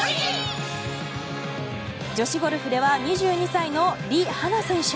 女子ゴルフでは２２歳のリ・ハナ選手。